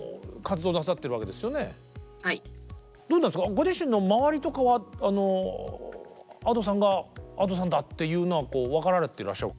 ご自身の周りとかはＡｄｏさんがＡｄｏさんだっていうのは分かられていらっしゃる？